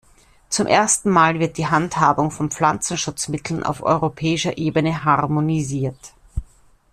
Zum ersten Mal wird die Handhabung von Pflanzenschutzmitteln auf europäischer Ebene harmonisiert.